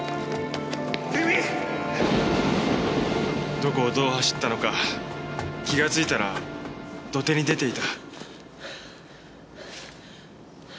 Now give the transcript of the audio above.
どこをどう走ったのか気がついたら土手に出ていた。